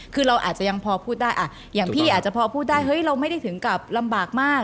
คือเราอาจจะยังพอพูดได้อ่ะอย่างพี่อาจจะพอพูดได้เฮ้ยเราไม่ได้ถึงกับลำบากมาก